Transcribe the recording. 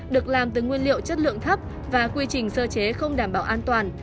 được làm từ nguyên liệu chất lượng thấp và quy trình sơ chế không đảm bảo an toàn